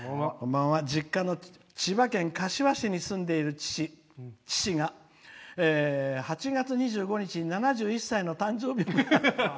実家の千葉県柏市に住んでいる父が８月２５日に７１歳の誕生日でした」。